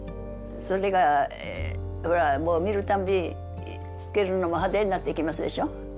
それがほらもう見るたんびつけるのも派手になっていきますでしょ。